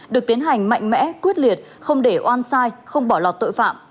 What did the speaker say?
được tiến hành mạnh mẽ quyết liệt không để oan sai không bỏ lọt tội phạm